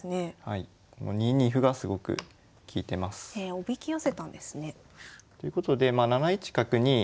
おびき寄せたんですね。ということでまあ７一角に。